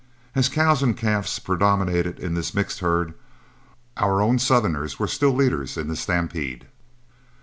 As cows and calves predominated in this mixed herd, our own southerners were still leaders in the stampede.